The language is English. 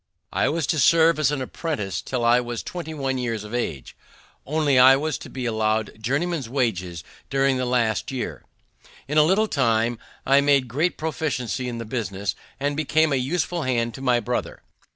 I was to serve as an apprentice till I was twenty one years of age, only I was to be allowed journeyman's wages during the last year. In a little time I made great proficiency in the business, and became a useful hand to my brother.